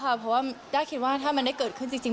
เพราะว่าด้าคิดว่าถ้ามันได้เกิดขึ้นจริง